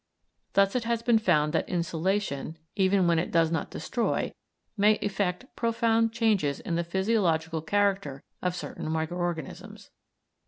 Thus it has been found that insolation, even when it does not destroy, may effect profound changes in the physiological character of certain micro organisms.